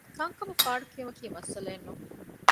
ކަންކަމަށް ފާޑު ކިއުމަކީ މައްސަލައެއް ނޫން